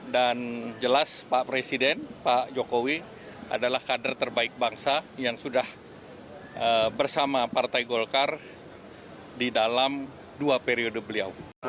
dan jelas pak presiden pak jokowi adalah kader terbaik bangsa yang sudah bersama partai golkar di dalam dua periode beliau